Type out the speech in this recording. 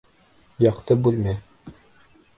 Яҡты бүлмә!